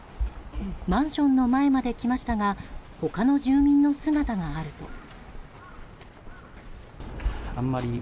マンションの前まで来ましたが他の住民の姿があると。